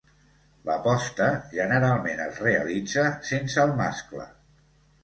La posta generalment es realitza sense el mascle.